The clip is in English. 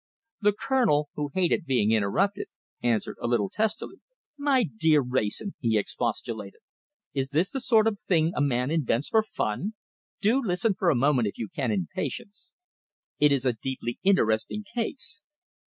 The Colonel, who hated being interrupted, answered a little testily. "My dear Wrayson," he expostulated, "is this the sort of thing a man invents for fun? Do listen for a moment, if you can, in patience. It is a deeply interesting case.